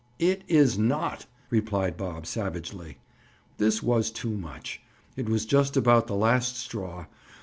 "It is not," replied Bob savagely. This was too much. It was just about the last straw.